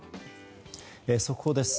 速報です。